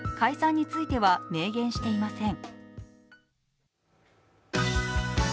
解散については明言していません。